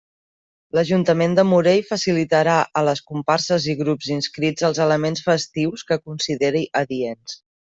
L'Ajuntament del Morell facilitarà a les comparses i grups inscrits els elements festius que consideri adients.